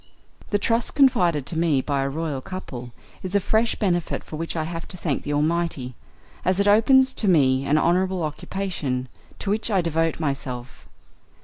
The trust confided to me by a Royal Couple is a fresh benefit for which I have to thank the Almighty, as it opens to me an honourable occupation, to which I devote myself.